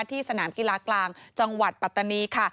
ที่สนามกีฬากลางจังหวัดปัตตานีค่ะ